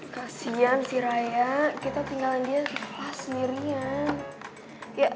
kasian si raya kita tinggalin dia kelas sendiri ya